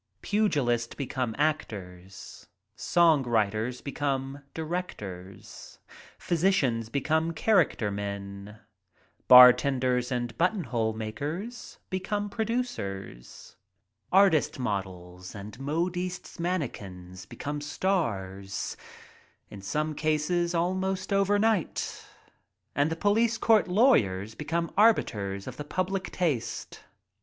Pugilists become actors, song writers become di rectors, physicians become character men, bar tenders and button hole makers become producers, artists models and modistes' manikins become stars in some cases almost over night — and police court ■. lawyers become arbiters of the public taste